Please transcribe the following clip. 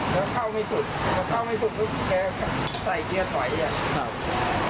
แล้วเข้าไม่สุดถ้าเข้าไม่สุดแล้วแกใส่เกียร์ถอยเนี้ยครับ